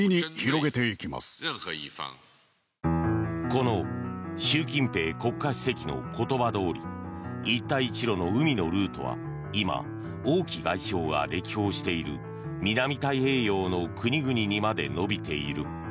この習近平国家主席の言葉どおり一帯一路の海のルートは今、王毅外相が歴訪している南太平洋の国々にまで延びている。